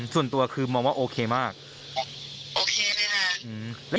ส่วนตัวคือมองว่าโอเคมากโอเคไหมคะ